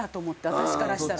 私からしたら。